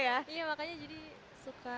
iya makanya jadi suka